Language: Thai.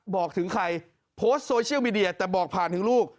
บอกถึงใครโพสต์โซเชียลมีเดียแต่บอกผ่านถึงลูก